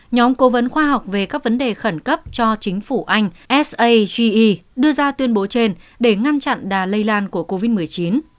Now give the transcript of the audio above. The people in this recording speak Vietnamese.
nhóm cố vấn khoa học về các vấn đề khẩn cấp cho chính phủ anh sage đưa ra tuyên bố trên để ngăn chặn đà lây lan của covid một mươi chín